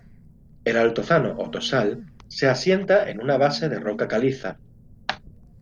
El altozano o "tossal" se asienta en una base de roca caliza.